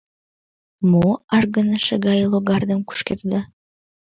Мо ажгыныше гай логардам кушкедыда?